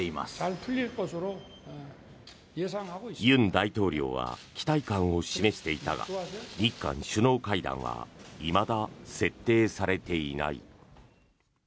尹大統領は期待感を示していたが日韓首脳会談はいまだ設定されていない。